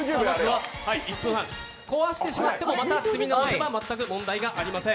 １分半、壊してしまってもまた積み直せば全く問題はありません。